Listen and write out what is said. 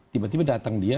tiba tiba datang dia